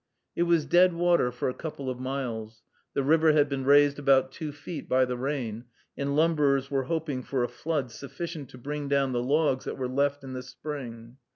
It was deadwater for a couple of miles. The river had been raised about two feet by the rain, and lumberers were hoping for a flood sufficient to bring down the logs that were left in the spring.